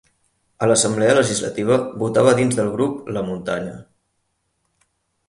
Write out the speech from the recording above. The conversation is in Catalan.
A l'Assemblea legislativa, votava dins del grup La muntanya.